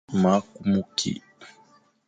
Ma kumu ki.